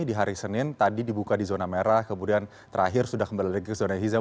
di hari senin tadi dibuka di zona merah kemudian terakhir sudah kembali lagi ke zona hijau